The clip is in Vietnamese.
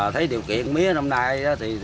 thấy điều kiện mía năm nay